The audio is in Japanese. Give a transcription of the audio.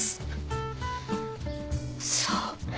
そう。